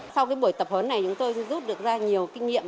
sau buổi tập hướng này chúng tôi giúp được ra nhiều kinh nghiệm